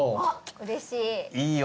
あっうれしい。